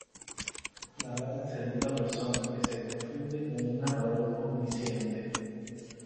Narrada en segunda persona que se confunde con un narrador omnisciente.